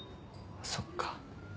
そっか。